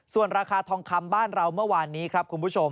ส่วนราคาทองคำบ้านเราเมื่อวานนี้ครับคุณผู้ชม